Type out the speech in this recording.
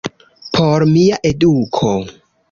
Por mia eduko.